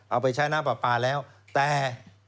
เอาไปใช้น้ำปลาปลาแล้วแต่